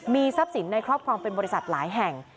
มีทรัพย์สินในครอบครองเป็นบริษัทหลายแห่ง